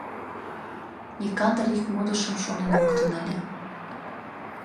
Никандр ик модышым шонен луктын ыле.